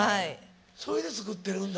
それで作ってるんだ。